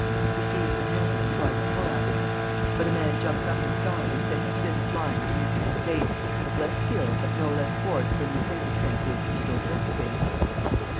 He seized the handle and tried to pull at it. But a man jumped up inside and sent his fist flying into Lupin's face, with less skill but no less force than Lupin had sent his into Daubrecq's face.